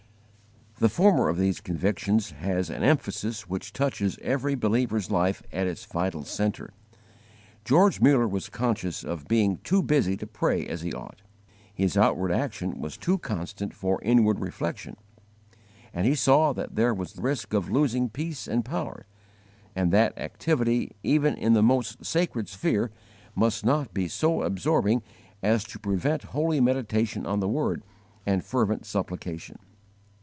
The former of these convictions has an emphasis which touches every believer's life at its vital centre. George Muller was conscious of being too busy to pray as he ought. His outward action was too constant for inward reflection, and he saw that there was risk of losing peace and power, and that activity even in the most sacred sphere must not be so absorbing as to prevent holy meditation on the Word and fervent supplication.